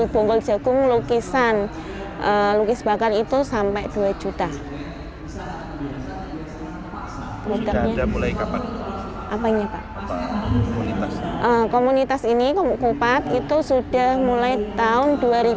komunitas ini kupat itu sudah mulai tahun dua ribu delapan belas